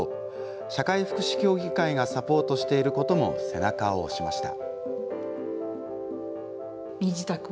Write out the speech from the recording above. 社会福祉協議会がサポートしていることも背中を押しました。